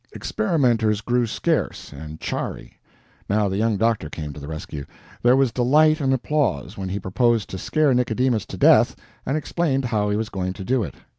Experimenters grew scarce and chary. Now the young doctor came to the rescue. There was delight and applause when he proposed to scare Nicodemus to death, and explained how he was going to do it.